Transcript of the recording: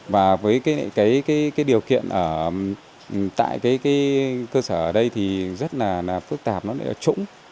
và với cái điều kiện ở tại cái cơ sở ở đây thì rất là phức tạp nó lại trũng